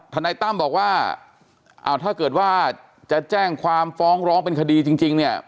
นายตั้มบอกว่าอ้าวถ้าเกิดว่าจะแจ้งความฟ้องร้องเป็นคดีจริงเนี่ย